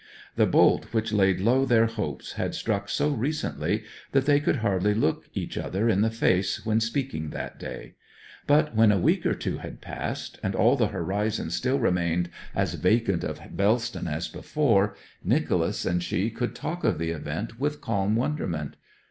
The bolt which laid low their hopes had struck so recently that they could hardly look each other in the face when speaking that day. But when a week or two had passed, and all the horizon still remained as vacant of Bellston as before, Nicholas and she could talk of the event with calm wonderment.